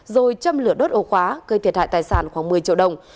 rồi châm lửa đốt ồ khóa gây thiệt hại tài sản khoảng một mươi triệu đồng